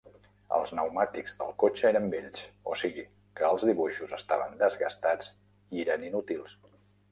Els pneumàtics del cotxe eren vells, o sigui que els dibuixos estaven desgastats i eren inútils.